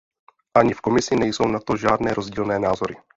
Ani v Komisi nejsou na to žádné rozdílné názory.